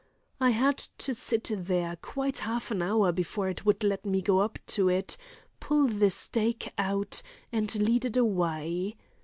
I had to sit there quite half an hour before it would let me go up to it, pull the stake out, and lead it away.